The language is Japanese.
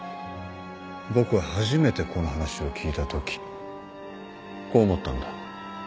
僕は初めてこの話を聞いたときこう思ったんだ。